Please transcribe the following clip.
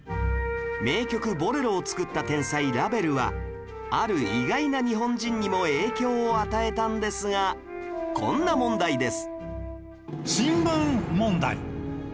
名曲『ボレロ』を作った天才ラヴェルはある意外な日本人にも影響を与えたんですがこんな問題です